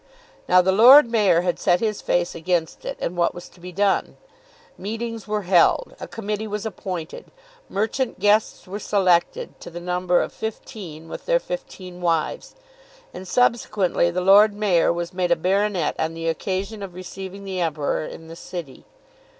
Now the Lord Mayor had set his face against it, and what was to be done? Meetings were held; a committee was appointed; merchant guests were selected, to the number of fifteen with their fifteen wives; and subsequently the Lord Mayor was made a baronet on the occasion of receiving the Emperor in the city.